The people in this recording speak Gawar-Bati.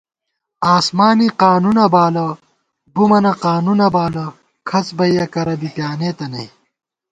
آسمانی قانُونہ بالہ ، بُمَنہ قانُونہ بالہ ، کھڅ بئیَہ کرہ بی پیانېتہ نئ